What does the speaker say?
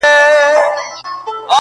له کارګه سره پنیر یې ولیدله،